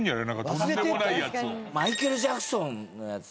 太田：マイケル・ジャクソンのやつ。